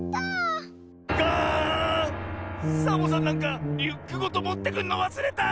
サボさんなんかリュックごともってくるのわすれた！